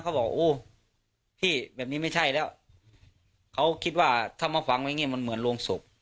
บอกโอ้พี่แบบนี้ไม่ใช่แล้วเขาคิดว่าถ้ามาฝังไว้อย่างนี้มันเหมือนโรงศพ